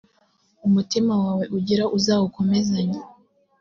umutima wawe ugira uzawukomezanye